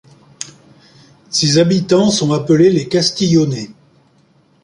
Ses habitants sont appelés les Castillonais.